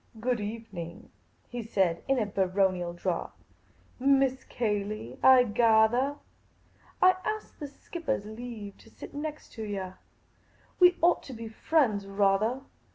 " Good evening," he said, in a baronial drawl. " Miss Cayley, I gathah ? I asked the skippah's leave to sit next yah. We ought to be friends — rathah.